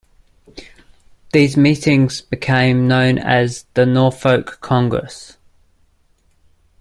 These meetings became known as the Norfolk Congress.